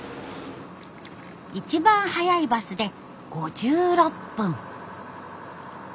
一番早いバスで５６分。